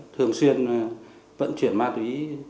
thường xuyên vận chuyển ma túy